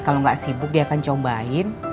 kalau nggak sibuk dia akan cobain